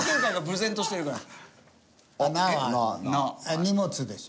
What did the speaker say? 「荷物」でしょ。